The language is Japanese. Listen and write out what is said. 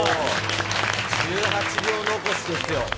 １８秒残しですよ。